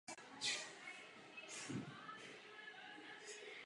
Lebka je mohutná.